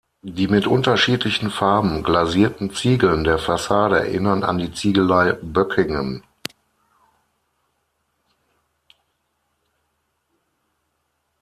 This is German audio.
Die mit unterschiedlichen Farben glasierten Ziegeln der Fassade erinnern an die Ziegelei Böckingen.